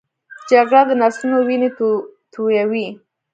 جګړه د نسلونو وینې تویوي